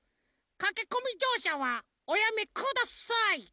かけこみじょうしゃはおやめください」。